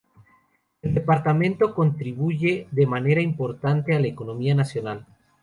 El departamento contribuye de manera importante a la economía nacional.